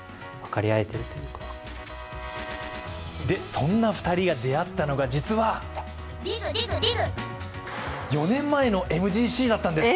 そんな２人が出会ったのが実は４年前のＭＧＣだったんです。